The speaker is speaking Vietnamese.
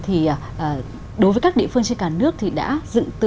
thì đối với các địa phương trên cả nước thì đã dựng từ